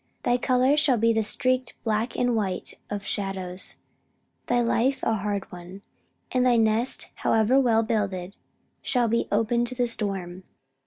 Thy color shall be the streaked black and white of shadows, thy life a hard one. And thy nest, however well builded, shall be open to the storm."